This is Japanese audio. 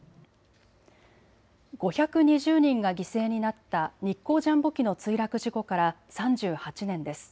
５２０人が犠牲になった日航ジャンボ機の墜落事故から３８年です。